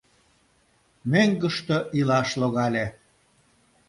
Мӧҥгыштӧ илаш логале.